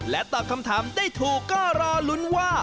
ตอบคำถามได้ถูกก็รอลุ้นว่า